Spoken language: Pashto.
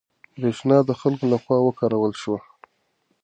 برېښنا د خلکو له خوا وکارول شوه.